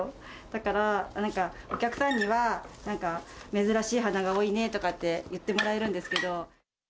だから、なんかお客さんには、なんか、珍しい花が多いねとかって言ってもらえるんですけど。